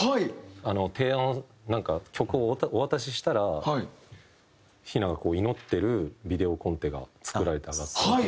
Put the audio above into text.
提案をなんか曲をお渡ししたら陽菜がこう祈ってるビデオコンテが作られて上がってきて。